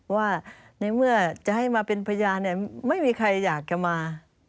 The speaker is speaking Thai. ว่าในเมื่อจะให้มาเป็นพยานไม่มีใครอยากจะมา